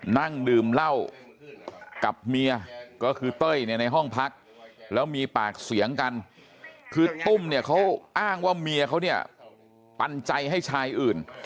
นั่งดื่มเหล้ากับเมียก็คือเต้ยเนี่ยในห้องพักแล้วมีปากเสียงกันคือตุ้มเนี่ยเขาอ้างว่าเมียเขาเนี่ยปันใจให้ชายอื่น